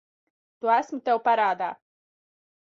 To esmu tev parādā.